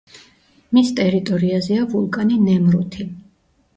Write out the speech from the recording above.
მის ტერიტორიაზეა ვულკანი ნემრუთი.